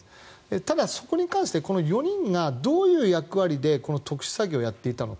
ただ、そこに関してこの４人がどういう役割で特殊詐欺をやっていたのか。